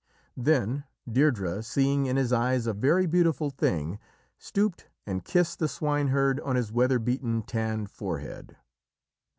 Then Deirdrê, seeing in his eyes a very beautiful thing, stooped and kissed the swineherd on his weather beaten, tanned forehead.